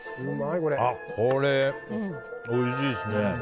これ、おいしいですね。